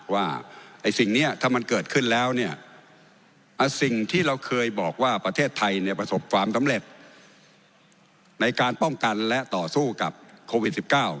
ว่าไอ้สิ่งนี้ถ้ามันเกิดขึ้นแล้วเนี่ยสิ่งที่เราเคยบอกว่าประเทศไทยเนี่ยประสบความสำเร็จในการป้องกันและต่อสู้กับโควิด๑๙